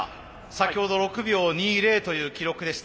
先ほど６秒２０という記録でした。